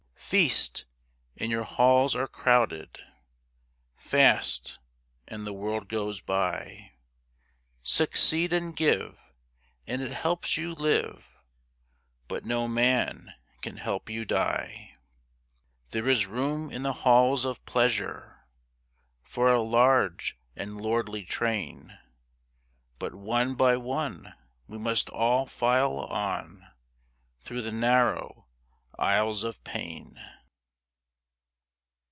Feast, and your halls are crowded; Fast, and the world goes by. Succeed and give, and it helps you live, But no man can help you die. There is room in the halls of pleasure For a large and lordly train, But one by one we must all file on Through the narrow aisles of pain.